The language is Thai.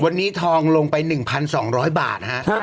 วันนี้ทองลงไป๑๒๐๐บาทนะฮะ